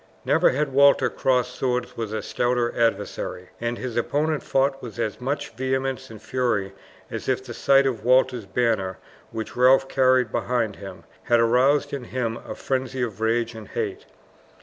Never had Walter crossed swords with a stouter adversary, and his opponent fought with as much vehemence and fury as if the sight of Walter's banner, which Ralph carried behind him, had aroused in him a frenzy of rage and hate.